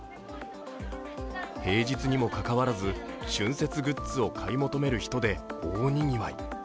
平日にもかかわらず春節グッズを買い求める人で大にぎわい。